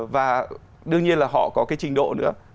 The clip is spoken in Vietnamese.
và đương nhiên là họ có cái trình độ nữa